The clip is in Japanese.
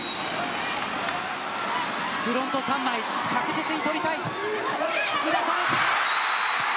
フロント確実に取りたい。